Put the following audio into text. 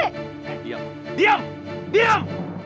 eh diam diam diam